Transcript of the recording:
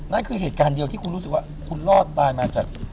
นั่นคือเหตุการณ์เดียวที่คุณรู้สึกว่าคุณรอดตายมาจาก